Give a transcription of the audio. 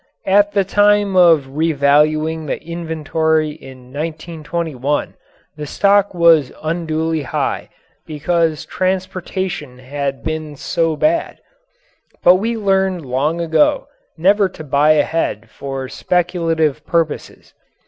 At the time of revaluing the inventory in 1921 the stock was unduly high because transportation had been so bad. But we learned long ago never to buy ahead for speculative purposes.